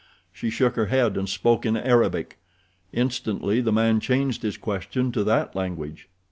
She shook her head and spoke in Arabic. Instantly the man changed his question to that language.